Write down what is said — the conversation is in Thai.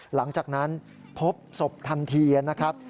หลังจากนั้นพบศพทันทีนะครับ